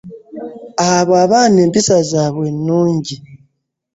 Abo abaana empisa zaabwe ennungi